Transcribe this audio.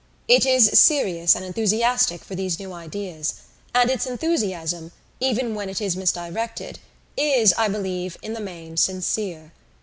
It is serious and enthusiastic for these new ideas and its enthusiasm, even when it is misdirected, is, I believe, in the main sincere.